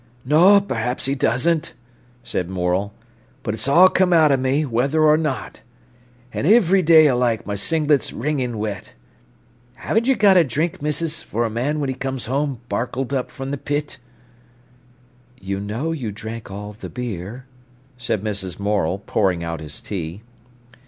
"No, perhaps he doesn't," said Morel; "but it's all come out of me, whether or not. An' iv'ry day alike my singlet's wringin' wet. 'Aven't you got a drink, Missis, for a man when he comes home barkled up from the pit?" "You know you drank all the beer," said Mrs. Morel, pouring out his tea.